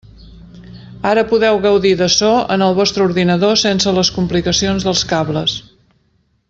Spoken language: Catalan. Ara podeu gaudir de so en el vostre ordinador sense les complicacions dels cables.